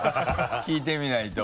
聞いてみないと。